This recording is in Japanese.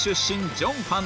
ジョンファン。